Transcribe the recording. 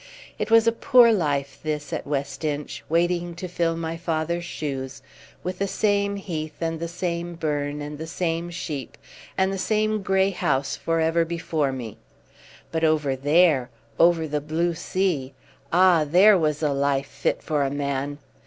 It was a poor life this, at West Inch, waiting to fill my father's shoes, with the same heath, and the same burn, and the same sheep, and the same grey house for ever before me. But over there, over the blue sea, ah! there was a life fit for a man.